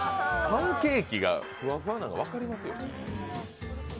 パンケーキがふわふわなの分かりますよね。